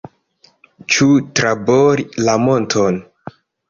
Ĉu trabori la monton?